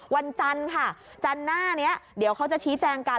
วันจันทร์ค่ะจันทร์หน้านี้เดี๋ยวเขาจะชี้แจงกัน